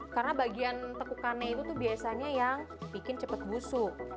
karena bagian tekukannya itu tuh biasanya yang bikin cepat busuk